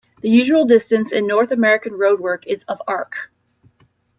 The usual distance in North American road work is of arc.